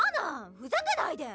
ふざけないで。